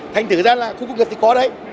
thành thử ra là khu công nghiệp thì có đấy